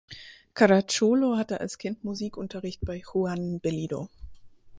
Caracciolo hatte als Kind Musikunterricht bei Juan Bellido.